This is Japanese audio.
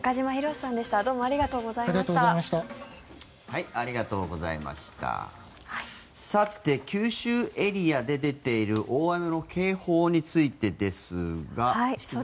さて、九州エリアで出ている大雨の警報についてですが。